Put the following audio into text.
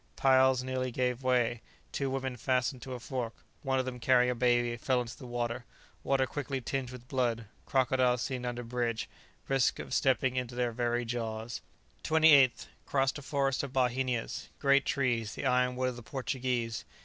Piles nearly gave way; two women fastened to a fork; one of them, carrying a baby, fell into the water. Water quickly tinged with blood; crocodiles seen under bridge; risk of stepping into their very jaws. 28th. Crossed a forest of bauhinias; great trees, the iron wood of the Portuguese.